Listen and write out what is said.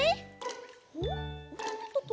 おっおっとっとっと。